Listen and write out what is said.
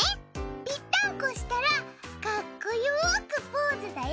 ピッタンコしたらかっこよくポーズだよ。